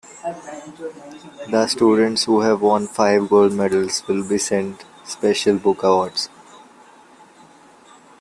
The students who have won five gold medals will be sent special book awards.